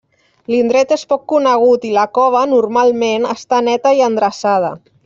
L'indret és poc conegut i la cova, normalment, està neta i endreçada.